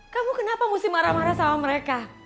kamu kenapa mesti marah marah sama mereka